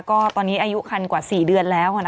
ก็ตอนนี้อายุคันกว่า๔เดือนแล้ว